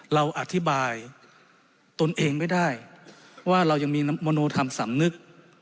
เราอธิบายตนเองไม่ได้ว่าเรายังมีมโนธรรมสำนึก